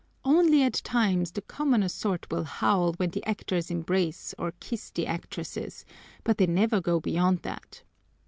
Only at times the commoner sort will howl when the actors embrace or kiss the actresses, but they never go beyond that.